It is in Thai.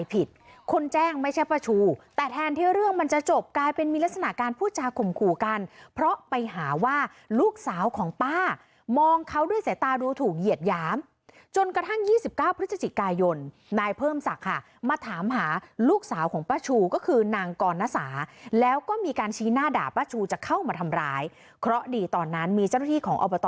ผิดคนแจ้งไม่ใช่ป้าชูแต่แทนที่เรื่องมันจะจบกลายเป็นมีลักษณะการพูดจากข่มขู่กันเพราะไปหาว่าลูกสาวของป้ามองเขาด้วยสายตาดูถูกเหยียดหยามจนกระทั่ง๒๙พฤศจิกายนนายเพิ่มศักดิ์ค่ะมาถามหาลูกสาวของป้าชูก็คือนางกรณสาแล้วก็มีการชี้หน้าด่าป้าชูจะเข้ามาทำร้ายเพราะดีตอนนั้นมีเจ้าหน้าที่ของอบต